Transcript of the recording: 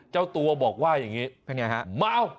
เจ้าตัวบอกว่าอย่างนี้เป็นอย่างไรครับ